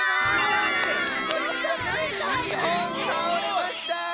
わっ！というわけで２ほんたおれました！